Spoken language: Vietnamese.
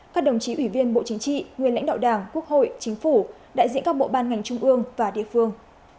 các đồng chí ủy viên bộ chính trị nguyên lãnh đạo đảng quốc hội chính phủ đại diện các bộ ban ngành trung ương và địa phương